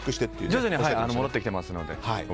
徐々に戻ってきていますので。